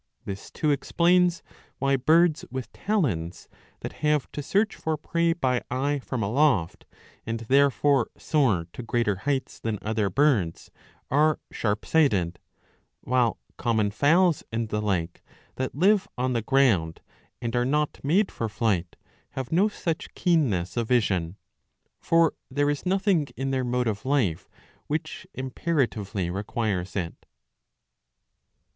This too explains why birds with talons, that have to search for prey by eye from aloft, and therefore soar to greater heights than other birds, are sharp sighted ; while common fowls and the like, that live on the ground and are not made for flight, have no such keenness of vision. For there is nothing in their mode of life which imperatively requires it.